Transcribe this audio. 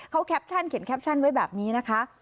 เขาแคปชั่นเขียนแคปชั่นไว้แบบนี้นะคะ